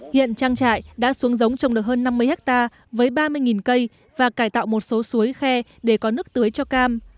hiện trang trại đã xuống giống trồng được hơn năm mươi hectare với ba mươi cây và cải tạo một số suối khe để có nước tưới cho cam